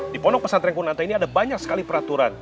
di pondok pesantren kunanta ini ada banyak sekali peraturan